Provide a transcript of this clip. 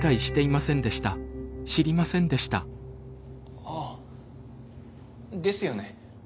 あっですよね。